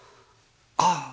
ああ！